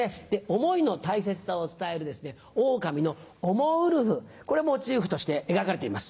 思いの大切さを伝えるオオカミの「おもウルフ」これモチーフとして描かれています。